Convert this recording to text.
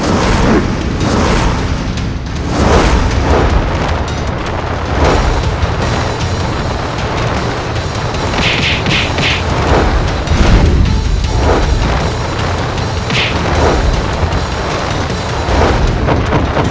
aku tidak ingin bertemukan orang